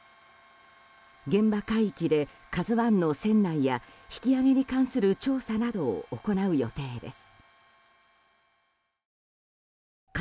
現場海域で「ＫＡＺＵ１」の船内や引き揚げに関する調査などを行う予定です。